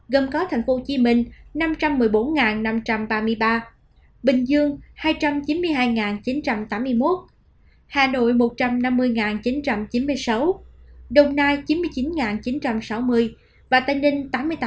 gồm có thành phố hồ chí minh năm trăm một mươi bốn năm trăm ba mươi ba bình dương hai trăm chín mươi hai chín trăm tám mươi một hà nội một trăm năm mươi chín trăm chín mươi sáu đồng nai chín mươi chín chín trăm sáu mươi và tây ninh tám mươi tám năm trăm ba mươi chín